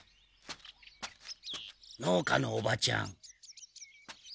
農家のおばちゃん。